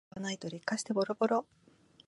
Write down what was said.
しばらく使わないと劣化してボロボロ